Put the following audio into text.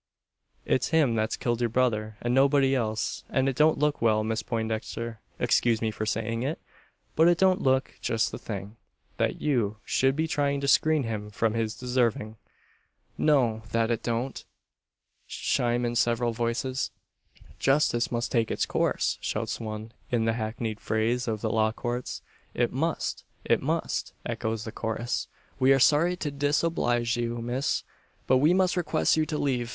It's him that's killed your brother, and nobody else. And it don't look well, Miss Poindexter excuse me for saying it; but it don't look just the thing, that you should be trying to screen him from his deserving." "No, that it don't," chime in several voices. "Justice must take its course!" shouts one, in the hackneyed phrase of the law courts. "It must! it must!" echoes the chorus. "We are sorry to disoblige you, miss; but we must request you to leave.